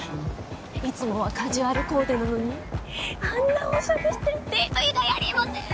いつもはカジュアルコーデなのにあんなおしゃれしてデート以外ありえません。